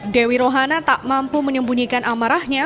dewi rohana tak mampu menyembunyikan amarahnya